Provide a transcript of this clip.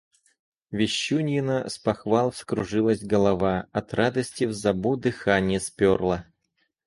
Вещуньина с похвал вскружилась голова. От радости в зобу дыханье сперло